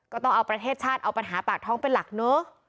ก็ต้องเอาประเทศชาติเอาปัญหาปากท้องเป็นหลักเนอะ